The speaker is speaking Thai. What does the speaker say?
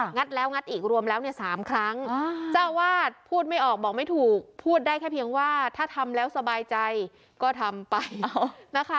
ัดแล้วงัดอีกรวมแล้วเนี่ย๓ครั้งเจ้าวาดพูดไม่ออกบอกไม่ถูกพูดได้แค่เพียงว่าถ้าทำแล้วสบายใจก็ทำไปนะคะ